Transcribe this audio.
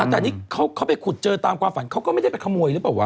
แต่นี่เขาไปขุดเจอตามความฝันเขาก็ไม่ได้ไปขโมยหรือเปล่าวะ